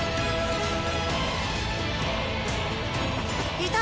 いた！